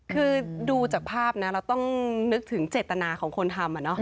คือดูจากภาพนะเราต้องนึกถึงเจตนาของคนทำ